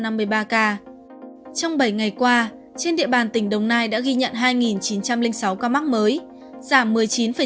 trong bảy ngày qua trên địa bàn tỉnh đồng nai đã ghi nhận hai chín trăm linh sáu ca mắc mới